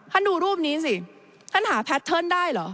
ท่านดูรูปนี้สิท่านหาแพทเทิร์นได้เหรอ